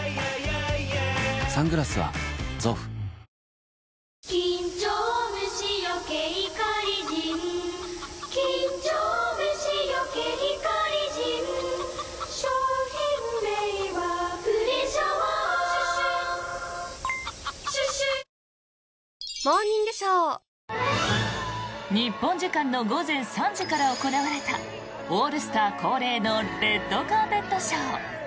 今年は上下グレーのジャケット姿で日本時間の午前３時から行われたオールスター恒例のレッドカーペットショー。